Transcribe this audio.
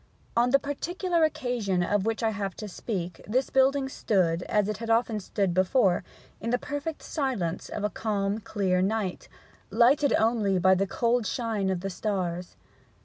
On the particular occasion of which I have to speak this building stood, as it had often stood before, in the perfect silence of a calm clear night, lighted only by the cold shine of the stars.